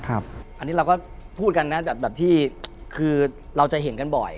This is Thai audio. อันนี้เราก็พูดกันนะแบบที่คือเราจะเห็นกันบ่อย